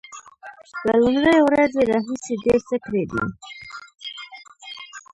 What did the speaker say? له لومړۍ ورځې راهیسې ډیر څه کړي دي